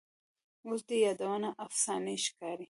اوس دې یادونه افسانې ښکاري